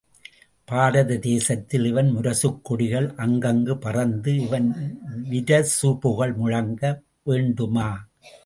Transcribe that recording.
பாரத தேசத்தில் இவன் முரசுக் கொடிகள் அங்கங்குப் பறந்து இவன் விரசு புகழ் முழங்க வேண்டுமா?